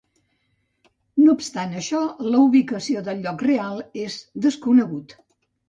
No obstant això, la ubicació del lloc real és desconegut.